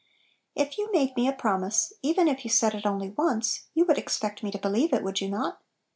If you made me a promise, even if you said it only once, you would ex pect me to believe it, would you not?